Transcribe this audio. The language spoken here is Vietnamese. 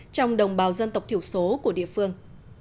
trong đồng bào dân tộc thiểu số của địa phương